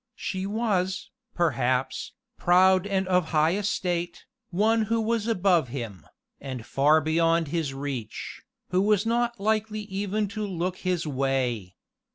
She was, perhaps, proud and of a high estate, one who was above him, and far beyond his reach who was not likely even to look his way.